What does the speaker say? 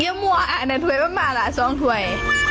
นี่มัวอันนั้นถ่วยมาละ๒ถ่วย